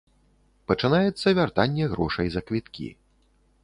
Пачынаецца вяртанне грошай за квіткі.